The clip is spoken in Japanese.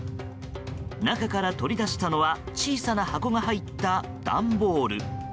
中から取り出したのは小さな箱が入った段ボール。